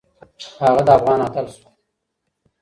هغه د افغان اتل شو